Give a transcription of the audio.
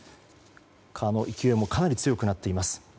川の勢いもかなり強くなっています。